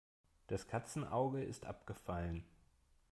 Das Katzenauge ist abgefallen.